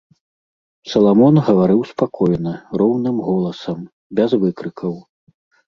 Саламон гаварыў спакойна, роўным голасам, без выкрыкаў.